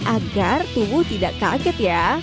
agar tubuh tidak kaget ya